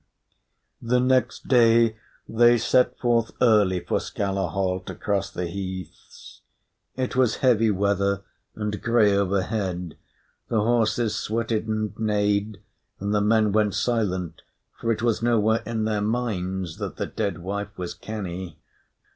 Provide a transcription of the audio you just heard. The next day they set forth early for Skalaholt across the heaths. It was heavy weather, and grey overhead; the horses sweated and neighed, and the men went silent, for it was nowhere in their minds that the dead wife was canny.